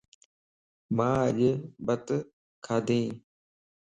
مان اڃ بت کادينيَ